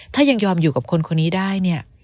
ถ้ายังยอมอยู่กับคนคนนี้ได้เนี่ย